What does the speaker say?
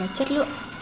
một là chất lượng